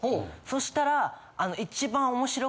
そしたら。